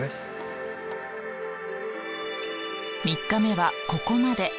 ３日目はここまで。